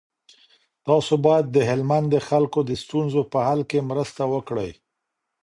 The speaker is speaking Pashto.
تاسو باید د هلمند د خلکو د ستونزو په حل کي مرسته وکړئ.